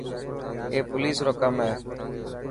اي پوليس رو ڪم هي.